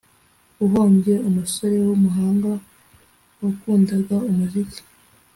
uhombye umusore w’umuhanga wakundaga umuziki